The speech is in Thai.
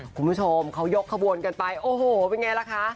คุณผู้ชมเขายกขบวนกันไปโอ้โหเป็นไงล่ะคะ